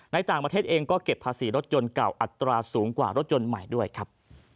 ในต่างประเทศเองก็เก็บภาษีรถยนต์เก่าอัตราสูงกว่ารถยนต์ใหม่ด้วยครับ